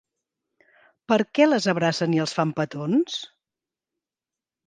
Per què les abracen i els fan petons?